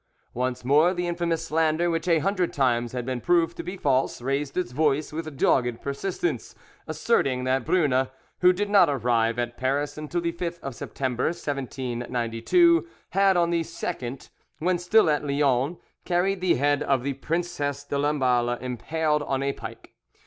Once more the infamous slander which a hundred times had been proved to be false, raised its voice with dogged persistence, asserting that Brune, who did not arrive at Paris until the 5th of September, 1792, had on the 2nd, when still at Lyons, carried the head of the Princesse de Lamballe impaled on a pike.